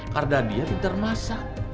karena dia yang termasak